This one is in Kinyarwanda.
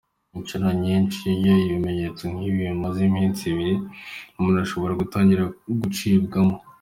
Inshuro nyinshi iyo ibimenyetso nk’ibi bimaze iminsi ibiri umuntu ashobora gutangira gucibwamo.